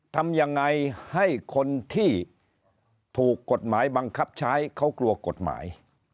ทำยังไงให้คนที่ถูกกฎหมายบังคับใช้เขากลัวกฎหมาย